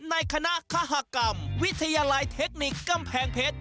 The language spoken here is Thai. ในคณะคกรรมวิทยาลัยเทคนิคกำแพงเพชร